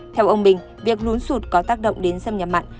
theo ông bình việc lún sụt có tác động đến xâm nhập mặn